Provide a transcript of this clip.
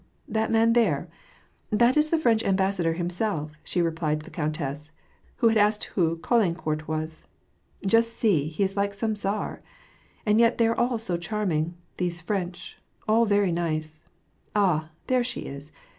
that man there ? That is the French ambassador himself," she replied to the countess, who asked who Caulaincourt was. ^' Just see, he is like some tsar ! And yet they are all so charming, — these French, — all very nice. Ah ! and there she is